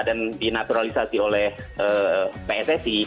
dan dinaturalisasi oleh psg